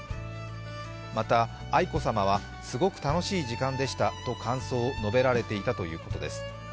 また、愛子さまはすごく楽しい時間でしたと感想を述べられていたということです。